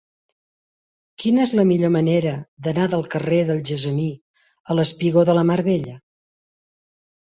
Quina és la millor manera d'anar del carrer del Gessamí al espigó de la Mar Bella?